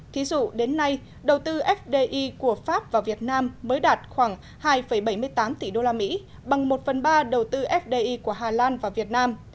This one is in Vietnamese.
thí dụ đến nay đầu tư fdi của pháp vào việt nam mới đạt khoảng hai bảy mươi tám tỷ usd bằng một phần ba đầu tư fdi của hà lan và việt nam